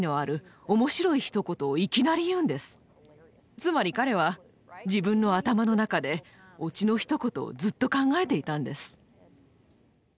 つまり彼は自分の頭の中でオチのひと言をずっと考えていたんです。